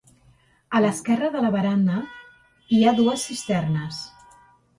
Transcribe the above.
A l'esquerra de la veranda hi ha dues cisternes.